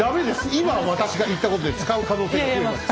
今私が言ったことで使う可能性が増えました。